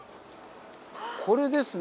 これですね。